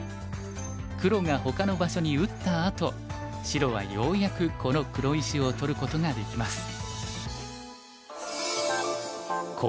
黒がほかの場所に打ったあと白はようやくこの黒石を取ることができます。